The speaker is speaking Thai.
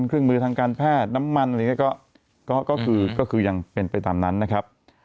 เครื่องมือทางการแพทย์น้ำมันอะไรอย่างนี้ก็คือก็คือยังเป็นไปตามนั้นนะครับ